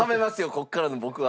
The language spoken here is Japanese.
ここからの僕は。